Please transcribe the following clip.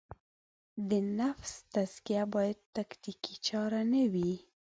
د نفس تزکیه باید تکتیکي چاره نه وي.